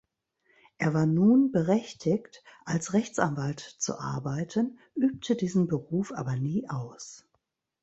Er war nun berechtigt als Rechtsanwalt zu arbeiten, übte diesen Beruf aber nie aus.